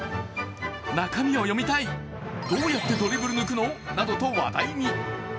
中身を読みたい、どうやってドリブル抜くの？などと話題に。